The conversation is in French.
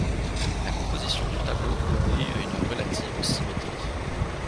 La composition du tableau obéit à une relative symétrie.